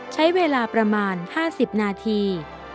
ใช้เวลาประมาณ๕๐นาที